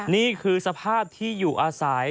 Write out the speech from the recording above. นี่คือสภาพที่อยู่อาศัย